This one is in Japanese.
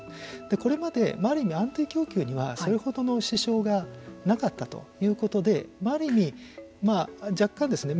これまで、ある意味安定供給にはそれほどの支障がなかったということで、ある意味若干ですね